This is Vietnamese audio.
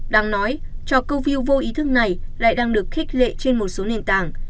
đang nói trò câu view vô ý thức này lại đang được khích lệ trên một số nền tảng